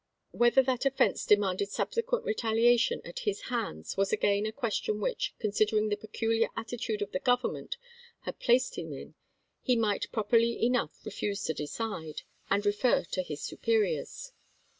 Whether that offense demanded subsequent retaliation at his hands was again a question which, considering the peculiar attitude the Government had placed him in, he might properly enough refuse to decide, and refer to his superiors.